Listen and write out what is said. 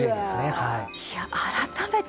はい。